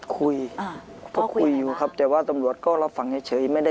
คุยปอกุยอยู่ครับแต่ว่าตำรวจก็รับฟังเฉย